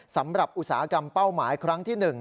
อุตสาหกรรมเป้าหมายครั้งที่๑